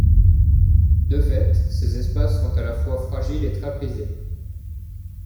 De fait, ces espaces sont à la fois fragiles et très prisés.